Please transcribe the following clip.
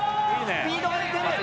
スピードが出ている。